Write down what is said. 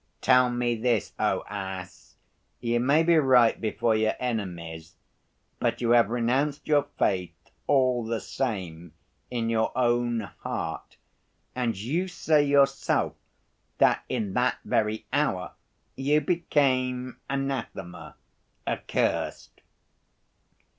Tell me this, O ass; you may be right before your enemies, but you have renounced your faith all the same in your own heart, and you say yourself that in that very hour you became anathema accursed.